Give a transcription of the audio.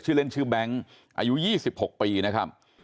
เล่นชื่อแบงค์อายุ๒๖ปีนะครับ